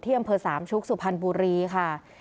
ที่อำเภอ๓ชุกสุพรรณบุรีค่ะ